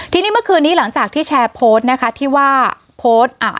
ทีนี้เมื่อคืนนี้หลังจากที่แชร์โพสต์นะคะที่ว่าโพสต์อ่า